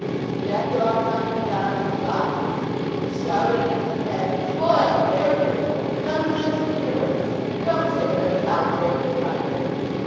He left off coming to Donald's lodgings and shouting into the passage. "Hoy, Farfrae, boy, come and have some dinner with us! Don't sit here in solitary confinement!"